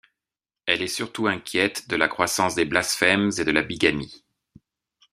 Elle est surtout inquiète de la croissance des blasphèmes et de la bigamie.